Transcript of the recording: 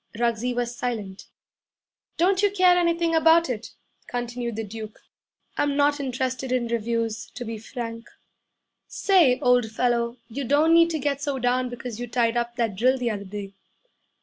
Ruggsie was silent. 'Don't you care anything about it?' continued the Duke. 'I'm not interested in reviews to be frank.' 'Say, old fellow, you don't need to get so down because you tied up that drill the other day.